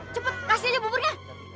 cepat kasih aja buburnya